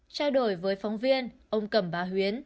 trao đổi với phóng viên ông cẩm bá huyến